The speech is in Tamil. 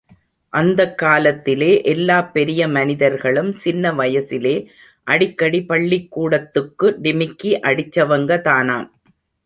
அந்தக் காலத்திலே எல்லாப் பெரிய மனிதர்களும் சின்ன வயசிலே அடிக்கடி பள்ளிக்கூடத்துக்கு டிமிக்கி அடிச்சவங்கதானாம்.